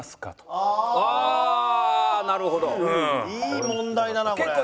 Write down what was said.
いい問題だなこれ。